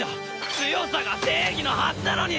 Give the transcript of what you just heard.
強さが正義のはずなのに！